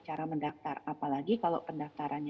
cara mendaktar apalagi kalau pendaktarannya